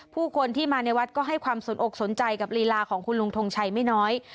ผู้คนที่มาในวัดก็ให้ความสนอกสนใจกับลีลาของคุณลุงทงชัยไม่น้อย